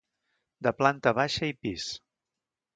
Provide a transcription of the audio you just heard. De planta baixa i pis.